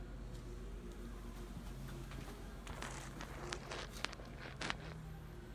Tato nová vozidla přijdou na trh o mnoho později.